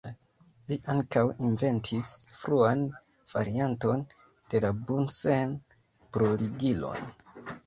Li ankaŭ inventis fruan varianton de la Bunsen-bruligilon.